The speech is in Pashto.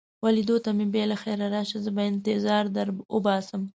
وه لیدو ته مې بیا له خیره راشه، زه به انتظار در وباسم.